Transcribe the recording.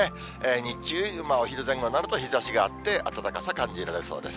日中、お昼前後になると、日ざしがあって、暖かさ感じられそうです。